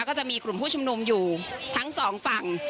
ก็จะมีกลุ่มผู้ชุมนุมอยู่ทั้งสองฝั่ง